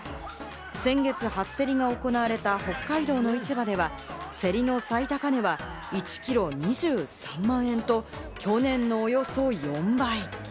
先月、初競りが行われた北海道の市場では、競りの最高値は１キロ２３万円と去年のおよそ４倍。